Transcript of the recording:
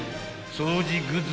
［掃除グッズ